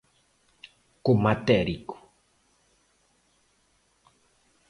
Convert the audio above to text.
Co matérico.